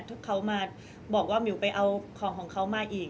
ที่เขามาบอกว่ามิวไปเอาของของเขามาอีก